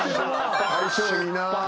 相性いいな。